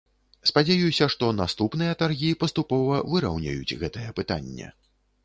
Спадзяюся, што наступныя таргі паступова выраўняюць гэтае пытанне.